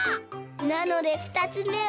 なのでふたつめは。